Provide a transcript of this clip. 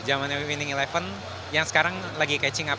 jamannya winning eleven yang sekarang lagi catching up